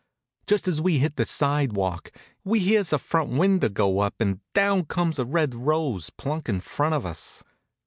Just as we hit the sidewalk we hears a front window go up, and down comes a red rose plunk in front of us.